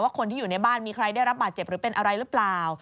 คนที่อยู่ในบ้านมีใครได้รับบาดเจ็บหรือเป็นอะไรหรือเปล่า